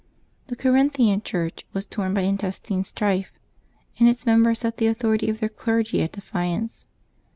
The Corinthian Church was torn by intestine strife, and its members set the authority of their clergy at defiance.